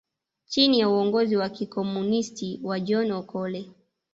Chini ya uongozi wa kikomunisti wa John Okelo